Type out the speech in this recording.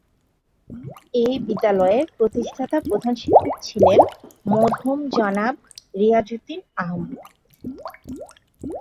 এ বিদ্যালয়ের প্রতিষ্ঠাতা প্রধান শিক্ষক ছিলেন মরহুম জনাব রিয়াজ উদ্দীন আহম্মদ।